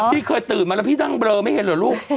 พี่เคยตื่นมาแล้วพี่นั่งเลอไม่เห็นเหรอลูก